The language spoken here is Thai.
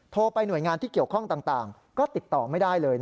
โทรไปหน่วยงานที่เกี่ยวข้องต่างก็ติดต่อไม่ได้เลย